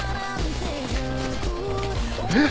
えっ？